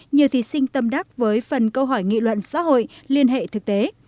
nhiều thí sinh tâm đắc với phần câu hỏi nghị luận xã hội liên hệ thực tế